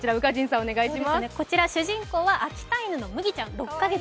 こちら、主人公は秋田犬のむぎちゃん、６か月。